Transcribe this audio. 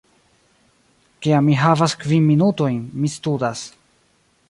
Kiam mi havas kvin minutojn, mi studas